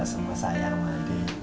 ada semua sayang andi